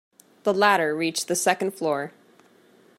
The ladder reached the second floor.